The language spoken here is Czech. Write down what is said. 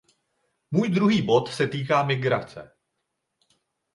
Můj druhý bod se týká migrace.